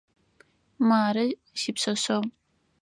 Мары сипшъэшъэгъу.